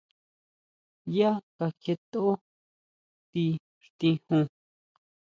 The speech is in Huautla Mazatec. Yá kakjietʼó ti xtijun.